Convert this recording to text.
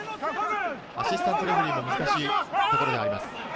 アシスタントレフェリーも難しいところがあります。